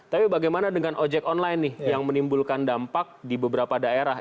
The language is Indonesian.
tapi bagaimana dengan ojek online nih yang menimbulkan dampak di beberapa daerah